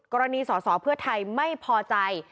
กรณีสอสอเพื่อไทยไม่พอใจ